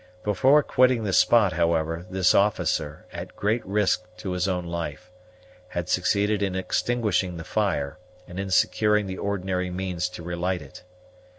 Before quitting the spot, however, this officer, at great risk to his own life, had succeeded in extinguishing the fire, and in securing the ordinary means to relight it.